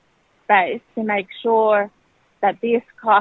untuk memastikan bahwa harga ini dikurangkan